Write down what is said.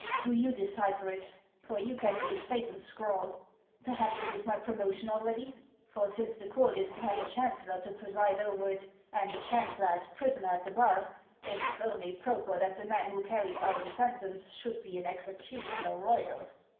Do you decipher it ; for you can read Satan's scrawl. Perhaps it is my promotion already ; for since the court is to have a chancellor to preside over it and a chancellor as prisoner at the bar, it is only proper that the man who carries out the sentence should be an executioner royal."